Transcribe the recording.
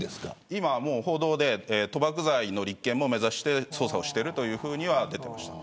今、報道で賭博罪の立件も目指して捜査をしているというふうには出ていました。